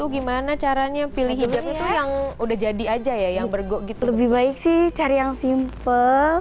gimana caranya pilih hijab itu yang udah jadi aja ya yang bergo gitu lebih baik sih cari yang simple